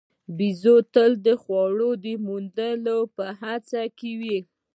بیزو تل د خوړو د موندلو په هڅه کې وي.